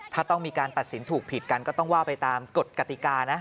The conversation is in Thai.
ถ้าต้องมีการตัดสินถูกผิดกันก็ต้องว่าไปตามกฎกติกานะ